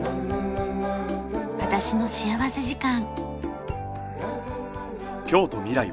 『私の幸福時間』。